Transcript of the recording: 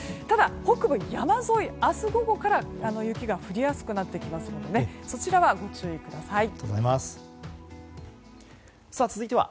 ただ、北部山沿いは明日午後から雪が降りやすくなってきますのでそちらはご注意ください。